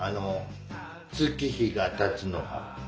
月日がたつのが。